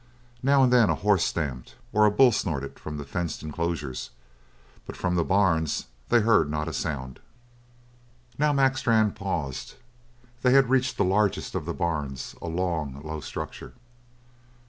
Now and then a horse stamped, or a bull snorted from the fenced enclosures, but from the barns they heard not a sound. Now Mac Strann paused. They had reached the largest of the barns, a long, low structure.